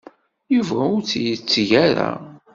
Yuba ur tt-yetteg ara.